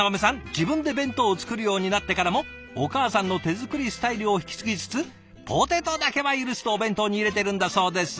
自分で弁当を作るようになってからもお母さんの手作りスタイルを引き継ぎつつ「ポテトだけは許す！」とお弁当に入れてるんだそうです。